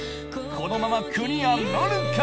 このままクリアなるか？